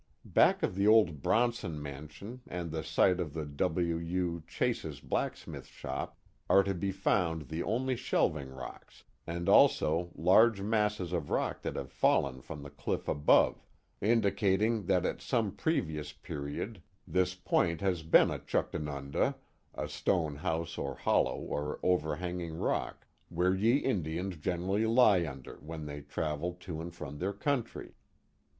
Back of the old Bronson mansion and the site of W. U. Chase's blacksmith shop are to be found the only shelving rocks, and also large masses of rock that have fallen from the cliff above, indicating that at some previous period this point has been a In the Old Town of Amsterdam 167 *' juchtanunda," a stone house or hollow or overhanging rock '* where ye Indians generally lie under when they travili to and from their country."